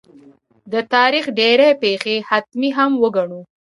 د تاریخ ډېرې پېښې حتمي هم وګڼو.